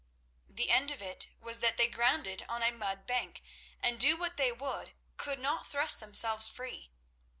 The end of it was that they grounded on a mud bank, and, do what they would, could not thrust themselves free.